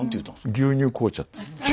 「牛乳紅茶」って。